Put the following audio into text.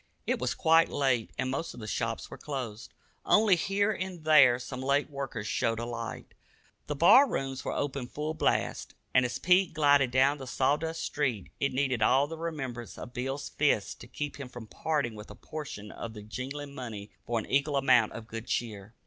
It was quite late, and most of the shops were closed. Only here and there some late worker showed a light. The bar rooms were open full blast, and as Pete glided down the sawdust street it needed all the remembrance of Bill's fist to keep him from parting with a portion of the jingling money for an equal amount of good cheer.